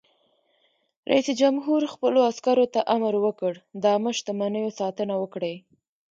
رئیس جمهور خپلو عسکرو ته امر وکړ؛ د عامه شتمنیو ساتنه وکړئ!